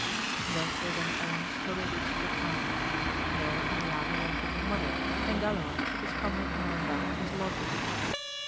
Thus they went on till they reached the town ; there Oriana went with her mother, and Galaor took his comrade Norandel to his lodging.